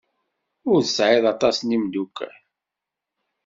Ur tesɛid aṭas n yimeddukal.